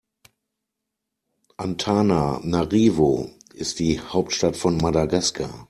Antananarivo ist die Hauptstadt von Madagaskar.